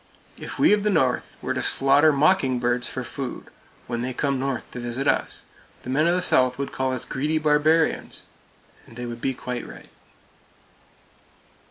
If we of the North were to slaughter mockingbirds for food, when they come North to visit us, the men of the South would call us greedy barbarians; and they would be quite right.